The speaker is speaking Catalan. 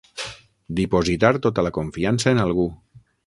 Dipositar tota la confiança en algú.